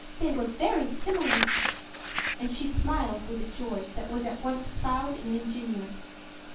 They were very similar.â And she smiled with a joy that was at once proud and ingenuous.